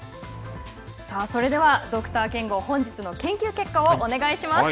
それではドクター憲剛本日の研究結果をお願いします。